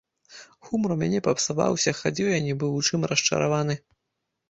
Гумар у мяне папсаваўся, хадзіў я нібы ў чым расчараваны.